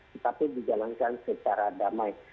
tetapi dijalankan secara damai